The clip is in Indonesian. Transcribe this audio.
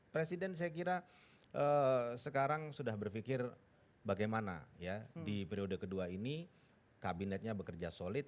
presiden saya kira sekarang sudah berpikir bagaimana ya di periode kedua ini kabinetnya bekerja solid